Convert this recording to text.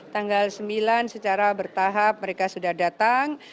tanggal sembilan secara bertahap mereka sudah datang